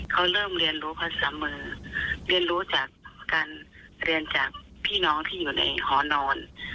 เขาเริ่มเรียนรู้เขาเสมอเรียนรู้จากการเรียนจากพี่น้องที่อยู่ในหอนอน